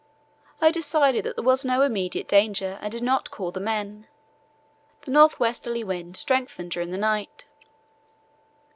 I decided that there was no immediate danger and did not call the men. The north westerly wind strengthened during the night.